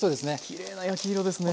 きれいな焼き色ですね。